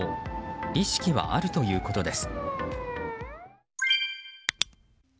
意識はあるということです。